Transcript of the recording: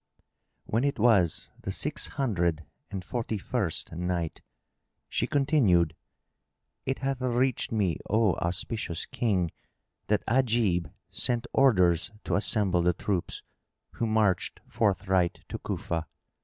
When it was the Six Hundred and Forty first Night, She continued, It hath reached me, O auspicious King, that Ajib sent orders to assemble the troops, who marched forthright to Cufa.